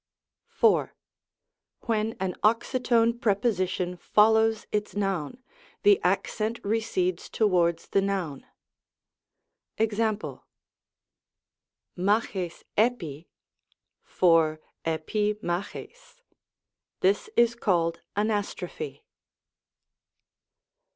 IV. When an oxytone preposition follows its noun, the accent recedes towards the noun. Ex.^ /^4^^^ ^^^ for eni ficc;(rjg. This is called anast/ropTie.